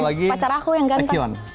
pacar aku yang ganteng